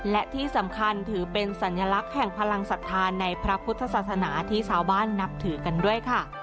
และที่สำคัญถือเป็นสัญลักษณ์แห่งพลังศรัทธาในพระพุทธศาสนาที่ชาวบ้านนับถือกันด้วยค่ะ